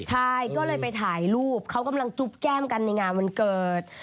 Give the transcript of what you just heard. ใช่ก็เลยไปถ่ายรูปเขากำลังจุ๊บแก้มกันในงานวันเกิด